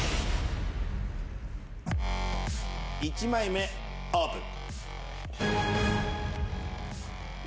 １枚目オープン。